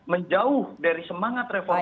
menjauh dari semangat reformasi